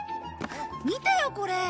見てよこれ。